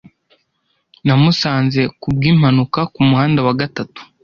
Namusanze kubwimpanuka kumuhanda wa gatatu.